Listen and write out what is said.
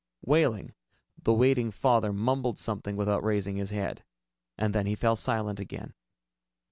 Wehling, the waiting father, mumbled something without raising his head. And then he fell silent again.